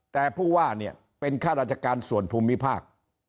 แต่ผู้ว่าเนี่ยเป็นข้าราชการส่วนภูมิภาค